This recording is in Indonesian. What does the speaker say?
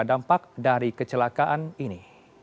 dampak dari kecelakaan ini